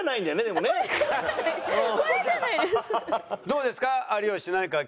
どうですか？